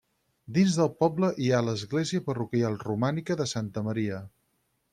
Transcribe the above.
Dins del poble hi ha l'església parroquial romànica de Santa Maria.